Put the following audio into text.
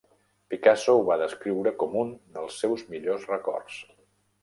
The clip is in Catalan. Picasso ho va descriure com un dels seus millors records.